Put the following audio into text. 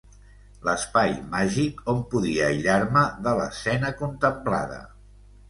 L'espai màgic on podia aïllar-me de l'escena contemplada.